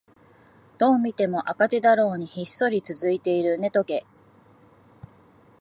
どう見ても赤字だろうにひっそり続いているネトゲ